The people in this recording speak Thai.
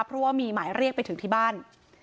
เพราะว่ามีหมายเรียกไปถึงที่บ้าน